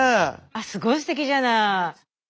すごいすてきじゃない！